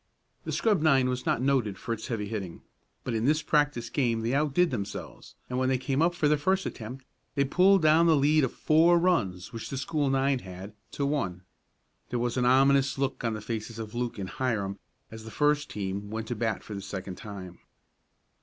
The scrub nine was not noted for its heavy hitting, but in this practice game they outdid themselves, and when they came up for their first attempt they pulled down the lead of four runs which the school nine had, to one. There was an ominous look on the faces of Luke and Hiram as the first team went to bat for the second time.